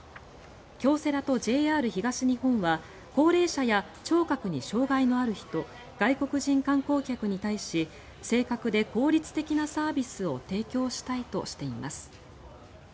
京セラとＪＲ東日本は高齢者や聴覚に障害のある人外国人観光客に対し正確で効率的なサービスを提供したいとしています。